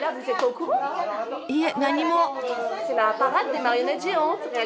いいえ何も。